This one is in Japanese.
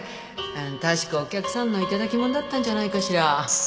確かお客さんの頂き物だったんじゃないかしら？